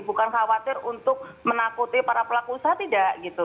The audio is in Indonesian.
bukan khawatir untuk menakuti para pelaku usaha tidak gitu